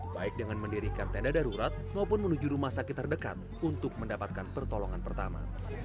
baik dengan mendirikan tenda darurat maupun menuju rumah sakit terdekat untuk mendapatkan pertolongan pertama